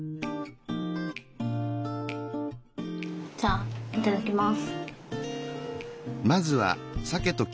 じゃあいただきます。